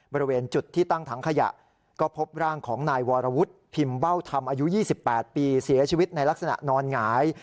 บริเวณจุดที่ตั้งถังขยะก็พบร่างของนายวรวุฒิพิมพ์เบ้าธรรมอายุ๒๘ปีเสียชีวิตในลักษณะนอนหงาย